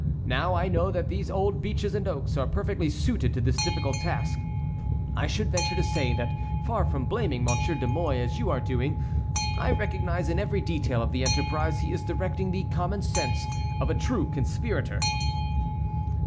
Now I know that these old beeches and oaks are perfectly suited to this difficult task. I should venture to say that far from blaming Monsieur de Mouy as you are doing, I recognize in every detail of the enterprise he is directing the common sense of a true conspirator."